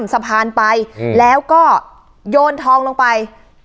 แล้วก็ไปซ่อนไว้ในคานหลังคาของโรงรถอีกทีนึง